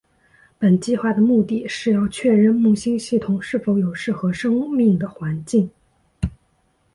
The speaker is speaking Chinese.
本计画的目的是要确认木星系统是否有适合生命的环境。